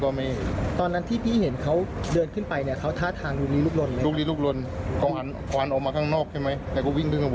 ตกใจไหมพี่หลังจากที่พี่นึกว่าเขาต้องมีอะไรสักอย่างหนึ่ง